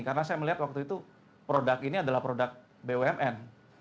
karena saya melihat waktu itu produk ini adalah produk bumn